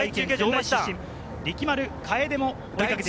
力丸楓も。